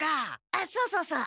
あっそうそうそう。